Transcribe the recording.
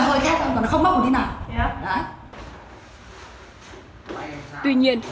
hơi khét thôi còn nó không mốc một tí nào dạ đấy tuy nhiên